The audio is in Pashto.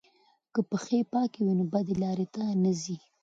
که پښې پاکې وي نو بدې لارې ته نه ځي.